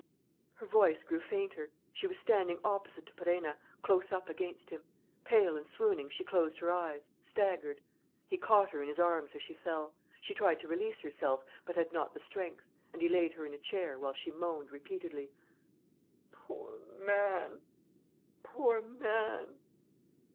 Her voice grew fainter. She was standing opposite to Perenna, close up against him. Pale and swooning, she closed her eyes, staggered. He caught her in his arms as she fell. She tried to release herself, but had not the strength; and he laid her in a chair, while she moaned, repeatedly: "Poor man! Poor man!"